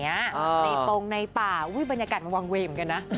เตรียมโปรงในป่าบรรยากาศมันวังเวมกันนะ